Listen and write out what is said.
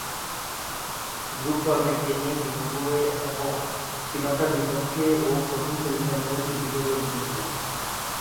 Group পর্বে Kenya, Zimbabwe এবং শ্রীলঙ্কার বিপক্ষে ও প্রথম সেমি-ফাইনালে তিনটি করে উইকেট নেন।